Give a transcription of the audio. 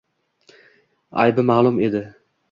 Aybi ma’lum edi